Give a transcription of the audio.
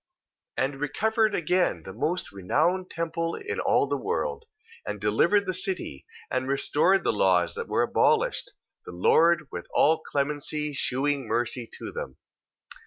And recovered again the most renowned temple in all the world, and delivered the city, and restored the laws that were abolished, the Lord with all clemency shewing mercy to them.